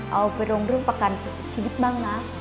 เอาไปลงเรื่องประกันชีวิตบ้างนะ